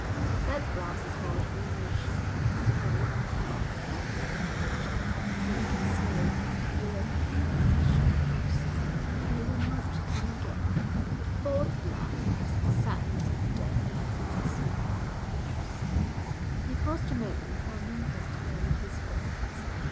The third glass is void of emotion; it is grave and calm, like middle age; drink it slowly, you are in full possession of yourself, and it will not come again. The fourth glass has the sadness of death and the bitter sweetness of retrospect.' He paused a moment for Amyntas to weigh his words.